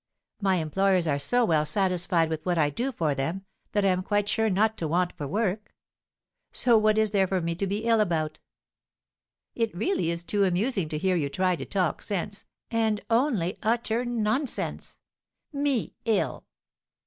My employers are so well satisfied with what I do for them, that I am quite sure not to want for work; so what is there for me to be ill about? It really is too amusing to hear you try to talk sense, and only utter nonsense! Me ill!"